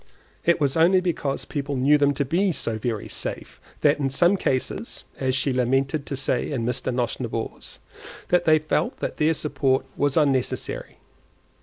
It was only because people knew them to be so very safe, that in some cases (as she lamented to say in Mr. Nosnibor's) they felt that their support was unnecessary.